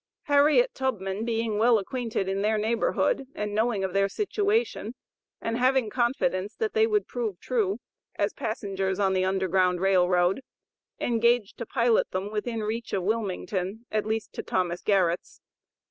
Harriet Tubman being well acquainted in their neighborhood, and knowing of their situation, and having confidence that they would prove true, as passengers on the Underground Rail Road, engaged to pilot them within reach of Wilmington, at least to Thomas Garrett's.